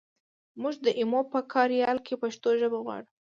مونږ د ایمو په کاریال کې پښتو ژبه غواړو